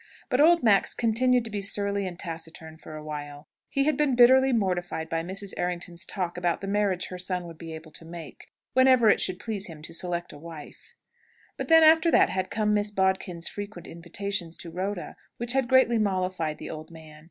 But old Max continued to be surly and taciturn for a while; he had been bitterly mortified by Mrs. Errington's talk about the marriage her son would be able to make, whenever it should please him to select a wife. But then, after that, had come Miss Bodkin's frequent invitations to Rhoda, which had greatly mollified the old man.